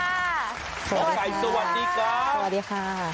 หมอกัยสวัสดีครับ